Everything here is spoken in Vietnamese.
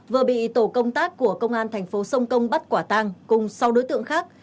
vừa bị tổ công tác của công an tp sông công bắt quả tang cùng sáu đối tượng khác